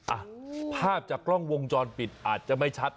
อ่ะภาพจากกล้องวงจรปิดอาจจะไม่ชัด